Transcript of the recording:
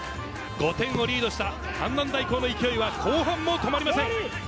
５点をリードした阪南大高の勢いは後半も止まりません。